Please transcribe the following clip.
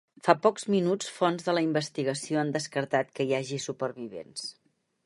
Fa pocs minuts fonts de la investigació han descartat que hi hagi supervivents.